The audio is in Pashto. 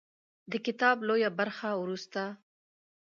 د کتاب لویه برخه وروسته